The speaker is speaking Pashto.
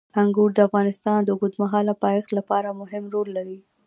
انګور د افغانستان د اوږدمهاله پایښت لپاره مهم رول لري.